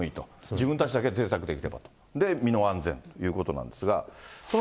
自分たちだけ贅沢できれば、で、身の安全ということなんですが。